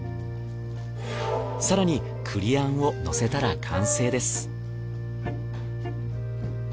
更に栗餡をのせたら完成です。